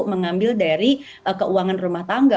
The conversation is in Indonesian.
mengambil dari keuangan rumah tangga